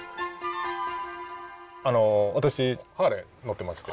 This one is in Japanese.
あの私ハーレー乗ってまして。